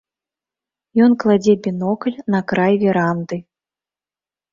Ён кладзе бінокль на край веранды.